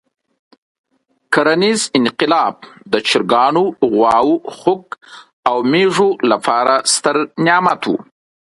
کرنیز انقلاب د چرګانو، غواوو، خوګ او مېږو لپاره ستر نعمت وو.